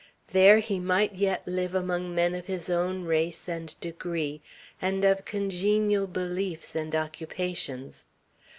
There he might yet live among men of his own race and degree, and of congenial beliefs and occupations.